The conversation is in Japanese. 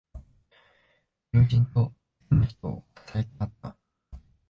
友人と好きな人をささやき合った。